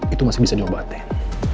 itu masih bisa diobatin